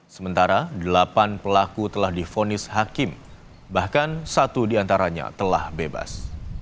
sementara delapan pelaku telah difonis hakim bahkan satu diantaranya telah bebas